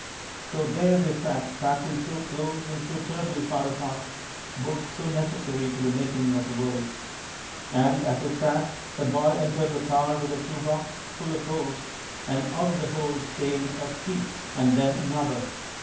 So there they sat packed in so close and so terribly far apart, both so necessary to the making of a world. And as they sat a boy entered the car with a shoe box, full of holes, and out of the holes came a "peep" and then another.